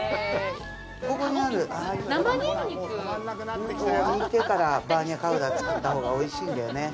ここにある生ニンニク煮てからバーニャカウダ作ったほうがおいしいんだよね